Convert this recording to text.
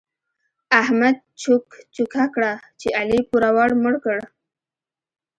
احمد چوک چوکه کړه چې علي پوروړو مړ کړ.